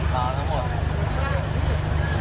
มาทั้งหมด